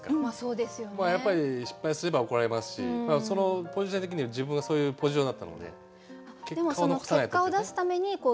やっぱり失敗すれば怒られますしポジション的には自分がそういうポジションだったので結果を残さないとってことでね。